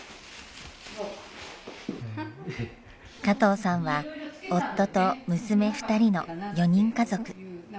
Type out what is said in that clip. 加藤さんは夫と娘２人の４人家族。